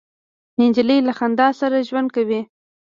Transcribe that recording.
نجلۍ له خندا سره ژوند کوي.